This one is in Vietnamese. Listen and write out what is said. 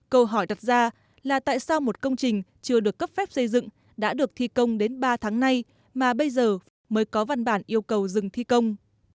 câu hỏi đặt ra là tại sao một công trình chưa được cấp phép xây dựng đã được thi công đến ba tháng nay mà bây giờ mới có văn bản yêu cầu dừng thi công